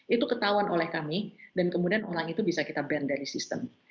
itu ketahuan oleh kami dan kemudian orang itu bisa kita brand dari sistem